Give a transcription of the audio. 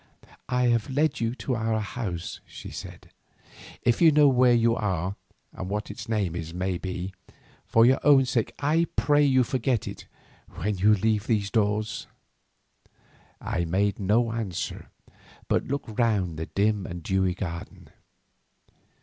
"I have led you to our house," she said. "If you know where you are, and what its name may be, for your own sake I pray you forget it when you leave these doors." I made no answer, but looked round the dim and dewy garden.